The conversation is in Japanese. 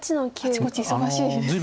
あちこち忙しいですね。